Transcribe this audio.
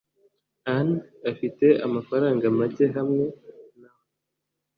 ann afite amafaranga make hamwe na we